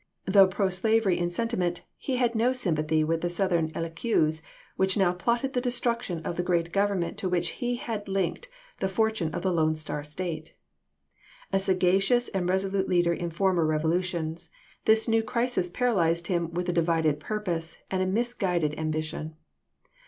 Though pro slavery in sen timent, he had no sympathy with the Southern cliques which now plotted the destruction of the great Government to which he had linked the for tune of the Lone Star State. A sagacious and resolute leader in former revolutions, this new crisis paralyzed him with a divided purpose and a misguided ambition.